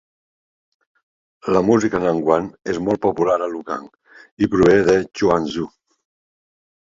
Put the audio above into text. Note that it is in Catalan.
La música nanguan és molt popular a Lukang i prové de Quanzhou.